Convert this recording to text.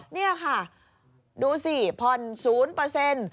นี่แหละค่ะดูสิผ่อน๐